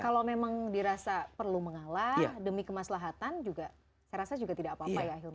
kalau memang dirasa perlu mengalah demi kemaslahatan juga saya rasa juga tidak apa apa ya ahilman